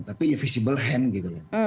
tapi ya visible hand gitu loh